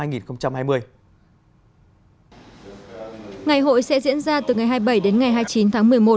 ngày hội sẽ diễn ra từ ngày hai mươi bảy đến ngày hai mươi chín tháng một mươi một